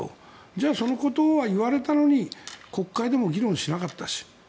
じゃあ、そのことは言われたのに国会でも議論しなかったし。